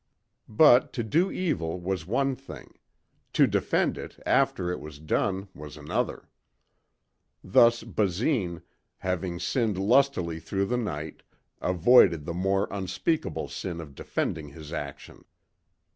But to do evil was one thing. To defend it after it was done was another. Thus Basine, having sinned lustily through the night, avoided the more unspeakable sin of defending his action.